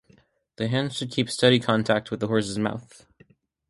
The hands should keep steady contact with the horse's mouth.